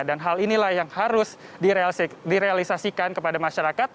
dan hal inilah yang harus direalisasikan kepada masyarakat